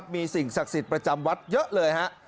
มีสิ่งศักดิ์สิทธิ์ประจำวัดเยอะเลยฮะ